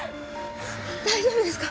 大丈夫ですか？